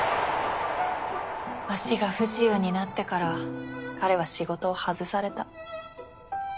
足が不自由になってから彼は仕事を外された。